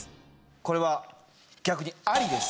これは逆にアリです。